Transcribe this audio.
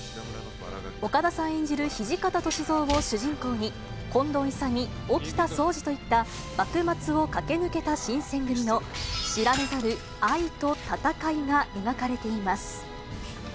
岡田さん演じる土方歳三を主人公に、近藤勇、沖田総司といった幕末を駆け抜けた新選組の知られざる愛と戦いが描かれています。